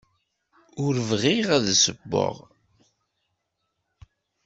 Ur bɣiɣ ad ssewweɣ.